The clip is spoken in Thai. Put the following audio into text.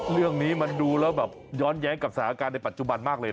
เรื่องนี้มันดูแล้วแบบย้อนแย้งกับสถานการณ์ในปัจจุบันมากเลย